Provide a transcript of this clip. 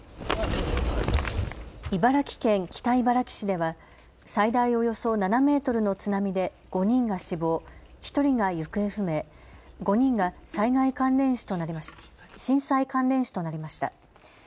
茨城県北茨城市では最大およそ７メートルの津波で５人が死亡、１人が行方不明、５人が震災関連死となりました。